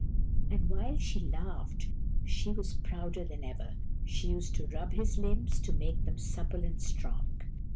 And, while she laughed, she was prouder than ever. She used to rub his limbs to make them supple and strong.